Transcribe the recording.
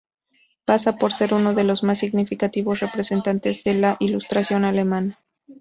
Pasa por ser uno de los más significativos representantes de la Ilustración alemana.